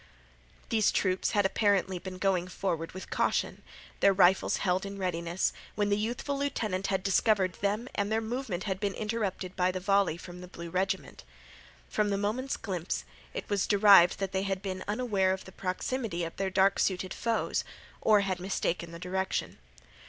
These troops had apparently been going forward with caution, their rifles held in readiness, when the youthful lieutenant had discovered them and their movement had been interrupted by the volley from the blue regiment. From the moment's glimpse, it was derived that they had been unaware of the proximity of their dark suited foes or had mistaken the direction.